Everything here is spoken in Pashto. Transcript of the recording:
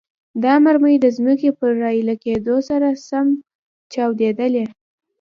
دا مرمۍ د ځمکې پر راایلې کېدو سره سم چاودیدلې.